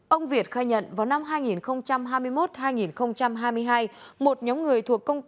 ông việt khai nhận vào năm hai nghìn hai mươi một hai nghìn hai mươi hai một nhóm người thuộc công ty